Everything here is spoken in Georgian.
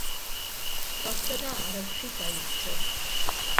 მტკვარსა და არაგვში დაიხრჩო.